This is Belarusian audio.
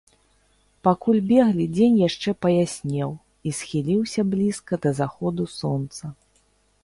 Пакуль беглі, дзень яшчэ паяснеў і схіліўся блізка да заходу сонца.